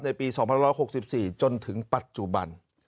ปี๒๑๖๔จนถึงปัจจุบัน